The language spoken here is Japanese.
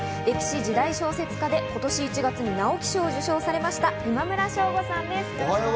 歴史・時代小説家で、今年１月に直木賞を受賞されました今村翔吾さんです。